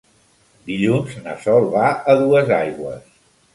Dilluns na Sol va a Duesaigües.